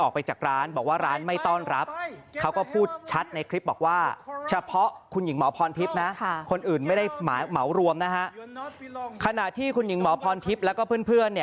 ได้หม่อรวมนะฮะขณะที่คุณหญิงหมอพรทิพย์แล้วก็เพื่อน